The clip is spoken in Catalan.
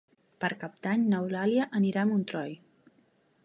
Per Cap d'Any n'Eulàlia anirà a Montroi.